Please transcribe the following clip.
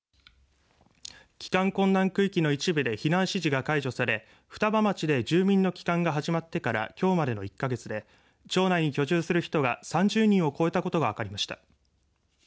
帰還困難区域の一部で避難指示が解除され双葉町で住民の帰還が始まってからきょうまで１か月で町内に居住する人が３０人を超えたことが分かりました。